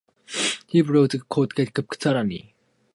His bronze coat of arms has been stolen from the monument.